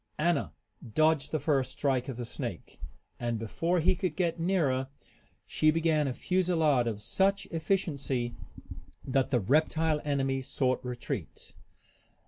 Anna dodged the first strike of the snake, and before he could get nearer she began a fusillade of such efficiency that the reptile enemy sought retreat.